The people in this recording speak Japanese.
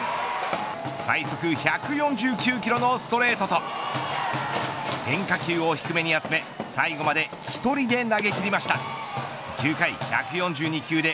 最速１４９キロのストレートと変化球を低めに集め最後まで１人で投げ切りました。